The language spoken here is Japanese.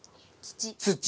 土。